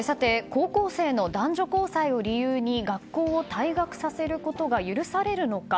高校生の男女交際を理由に学校を退学させることが許されるのか。